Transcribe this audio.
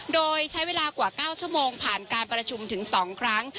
โดยใช้เวลากว่า๙ชั่วโมงผ่านการประชุมถึง๒ครั้ง